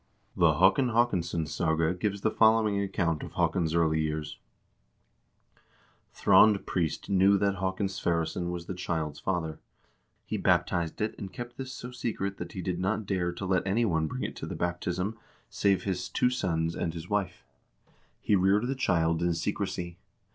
The "Haakon Haakonsson's Saga" gives the following account of Haakon's early years : "Thrond Priest knew that Haakon Sverresson was the child's father. He baptized it and kept this so secret that he did not dare to let any one bring it to the baptism, save his two sons and his wife. KING HAAKON HAAKONSSON AND SKULE JARL 411 He reared the child in secrecy.